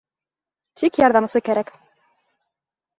Тик ярҙамсы кәрәк.